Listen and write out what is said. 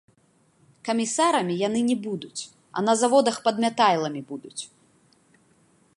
Камісарамі яны не будуць, а на заводах падмятайламі будуць.